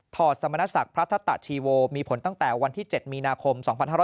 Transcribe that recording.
สมณศักดิ์พระทัตตะชีโวมีผลตั้งแต่วันที่๗มีนาคม๒๕๖๐